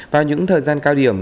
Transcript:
vào những thời gian cao điểm